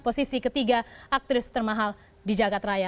posisi ketiga aktris termahal di jagad raya